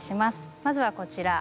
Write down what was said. まずはこちら。